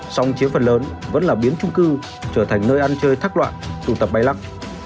song chiếm phần lớn vẫn là biến trung cư trở thành nơi ăn chơi thắc loạn tụ tập bay lắc